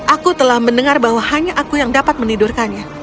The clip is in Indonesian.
aku telah mendengar bahwa hanya aku yang dapat menidurkannya